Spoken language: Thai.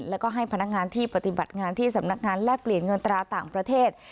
แล้วก็ให้พนักงานที่ปฏิบัติงานที่สำนักงานแลกเปลี่ยนเงินตราต่างประเทศ